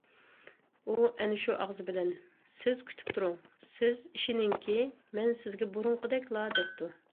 ئۇ ئەنە شۇ ئاغزى بىلەن:« سىز كۈتۈپ تۇرۇڭ، سىز ئىشىنىڭكى مەن سىزگە بۇرۇنقىدەكلا» دەپتۇ.